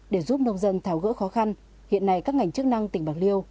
để giúp nông dân tháo gỡ khó khăn hiện nay các ngành chức năng tỉnh bạc liêu